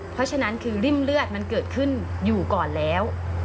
เพราะฉะนั้นคือริ่มเลือดมันเกิดขึ้นอยู่ก่อนแล้ว